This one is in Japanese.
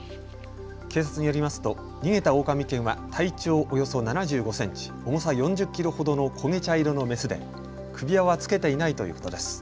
警察によりますと逃げたオオカミ犬は体長およそ７５センチ、重さ４０キロほどの焦げ茶色のメスで、首輪はつけていないということです。